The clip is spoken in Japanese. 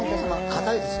硬いです。